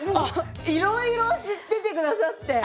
いろいろ知っててくださって。